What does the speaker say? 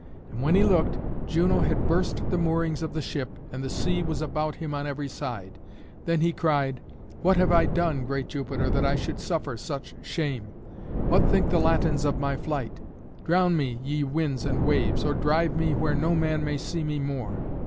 And when he looked, Juno had burst the moorings of the ship, and the sea was about him on every side. Then he cried, "What have I done, great Jupiter, that I should suffer such shame? What think the Latins of my flight? Drown me, ye winds and waves, or drive me where no man may see me more."